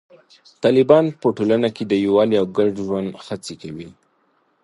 طالبان په ټولنه کې د یووالي او ګډ ژوند هڅې کوي.